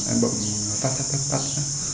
em bấm tắt tắt tắt tắt